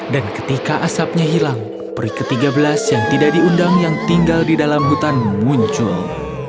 ketika asapnya hilang peri ke tiga belas yang tidak diundang yang tinggal di dalam hutan muncul